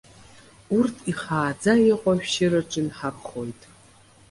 Урҭ ихааӡа иҟоу ашәшьыраҿы инҳархоит.